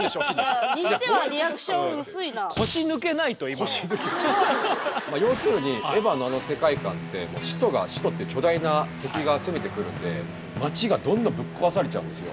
いやあにしては要するに「エヴァ」のあの世界観って「使徒」が「使徒」って巨大な敵が攻めてくるんで街がどんどんぶっ壊されちゃうんですよ。